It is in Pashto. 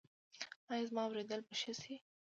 ایا زما اوریدل به ښه شي؟